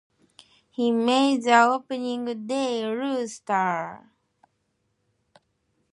He made the opening day roster.